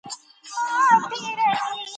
او په ټولو باندي حاوي دى